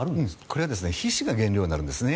これは皮脂が原料になるんですね。